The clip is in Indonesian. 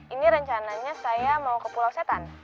ini rencananya saya mau ke pulau setan